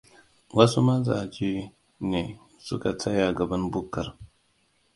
Wasu mazajene suka tsaya gaban bukkar.